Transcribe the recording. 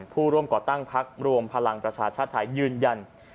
ผู้ร่วมก่อตั้งพักรวมพลังประชาชาติไทยยืนยัน